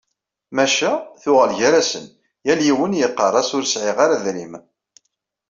Maca, tuɣal gar-asen, yal yiwen yeqqar-as ur sεiɣ ara adrim.